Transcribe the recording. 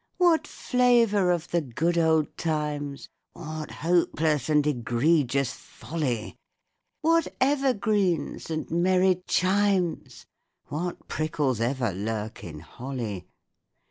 _) What flavour of the good old times! (What hopeless and egregious folly!) What evergreens and merry chimes! (_What prickles ever lurk in holly!